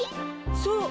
そう。